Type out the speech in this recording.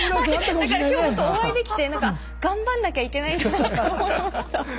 だから今日ほんとお会いできてなんか頑張んなきゃいけないんだなと思いました。